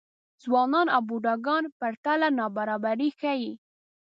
ځوانان او بوډاګان پرتله نابرابري ښيي.